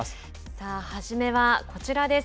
さあ、初めはこちらです。